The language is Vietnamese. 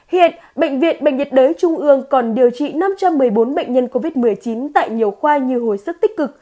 hiện bệnh viện bệnh nhiệt đới trung ương còn điều trị năm trăm một mươi bốn bệnh nhân covid một mươi chín tại nhiều khoa như hồi sức tích cực